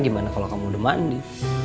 gimana kalau kamu udah mandi